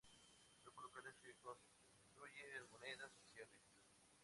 grupos locales que construyen monedas sociales